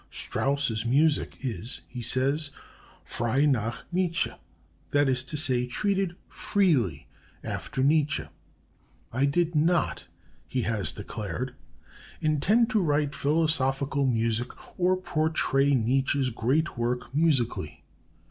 Strauss's music is, he says, frei nach Nietzsche; that is to say, treated "freely" after Nietzsche. "I did not," he has declared, "intend to write philosophical music or portray Nietzsche's great work musically.